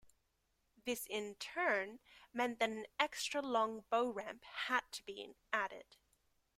This in turn meant that an extra long bow ramp had to be added.